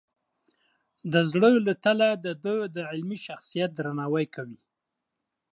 د زړه له تله د ده د علمي شخصیت درناوی کوي.